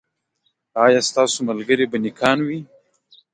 ایا ستاسو ملګري به نیکان وي؟